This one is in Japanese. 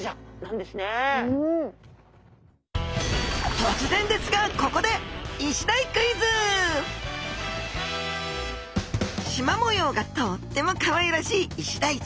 とつぜんですがここでしま模様がとってもかわいらしいイシダイちゃん。